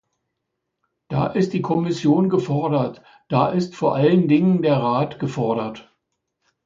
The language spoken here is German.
Da ist die Kommission gefordert, da ist vor allen Dingen der Rat gefordert.